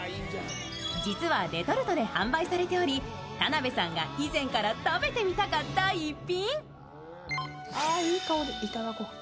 実はレトルトで販売されており田辺さんが以前から食べてみたかった逸品。